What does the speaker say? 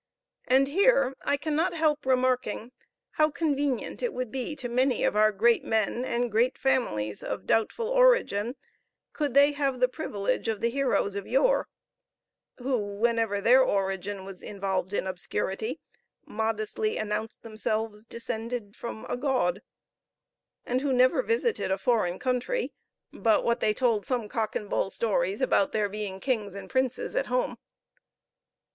And here I cannot help remarking how convenient it would be to many of our great men and great families of doubtful origin, could they have the privilege of the heroes of yore, who, whenever their origin was involved in obscurity, modestly announced themselves descended from a god, and who never visited a foreign country but what they told some cock and bull stories about their being kings and princes at home.